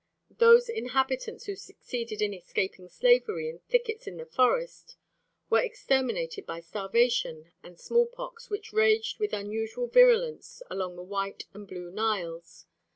Those inhabitants who succeeded in escaping slavery in thickets in the forests were exterminated by starvation and small pox, which raged with unusual virulence along the White and Blue Niles.